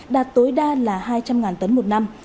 đạt tối đa là hai trăm linh tấn một năm